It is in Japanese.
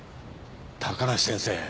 高梨先生。